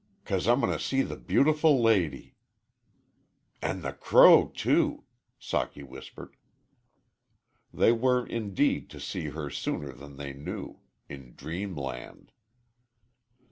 "'Cause I'm going to see the beautiful lady." "An' the crow, too," Socky whispered. They were, indeed, to see her sooner than they knew in dreamland.